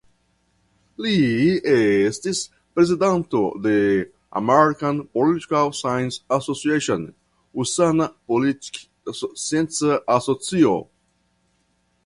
Li estis prezidanto de "American Political Science Association" (Usona Politkscienca Asocio).